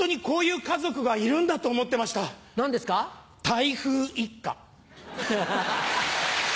台風一過。